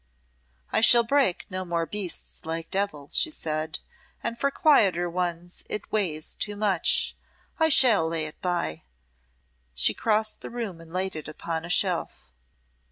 "I shall break no more beasts like Devil," she said, "and for quieter ones it weighs too much; I shall lay it by." She crossed the room and laid it upon a shelf.